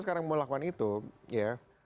sekarang mau lakukan itu ya